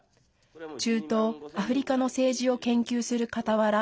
中東アフリカの政治を研究するかたわら